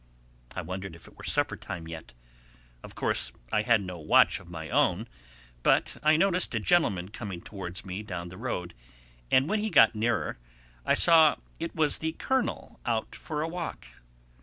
I wondered if it were supper time yet. Of course I had no watch of my own, but I noticed a gentleman coming towards me down the road; and when he got nearer I saw it was the Colonel out for a walk.